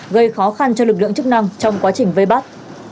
gây khó khăn cho lực lượng chức năng trong quá trình vây bắt